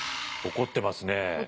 怒ってますね。